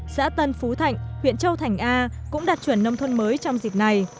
xã tân phú thạnh huyện châu thành a cũng đạt chuẩn nông thôn mới trong dịp này